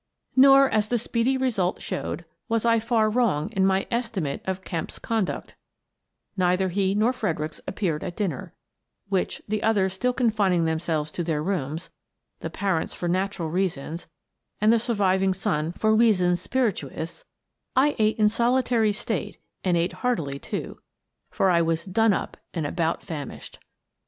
Nor, as the speedy result showed, was I far wrong in my estimate of Kemp's conduct Neither he nor Fredericks appeared at dinner, which, the others still confining themselves to their rooms, — the parents for natural reasons and the surviving son for reasons spirituous, — I ate in solitary state — and ate heartily, too, for I was done up and about famished.